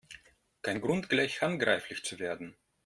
Kein Grund, gleich handgreiflich zu werden!